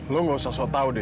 lo nggak usah soal tahu deh